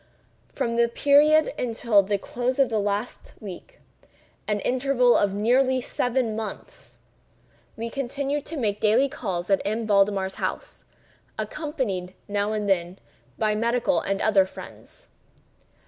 From this period until the close of last week—an interval of nearly seven months—we continued to make daily calls at M. Valdemar's house, accompanied, now and then, by medical and other friends.